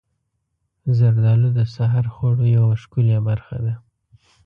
زردالو د سحر خوړو یوه ښکلې برخه ده.